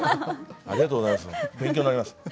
ありがとうございます。